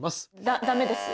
だ駄目です。